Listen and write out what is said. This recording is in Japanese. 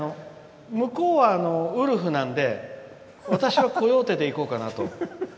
向こうはウルフなんで私はコヨーテでいこうかと。